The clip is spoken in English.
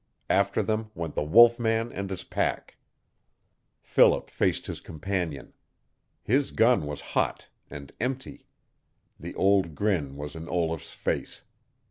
After them went the wolf man and his pack. Philip faced his companion. His gun was hot and empty. The old grin was in Olaf's face.